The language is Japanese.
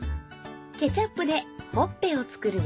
ケチャップでほっぺを作るよ。